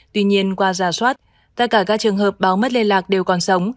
tuy nhiên qua giả soát tất cả các trường hợp báo mất liên lạc đều còn sống